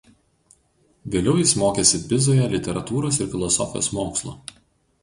Vėliau jis mokėsi Pizoje literatūros ir filosofijos mokslų.